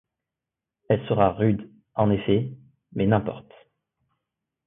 Elle sera rude, en effet, mais n’importe.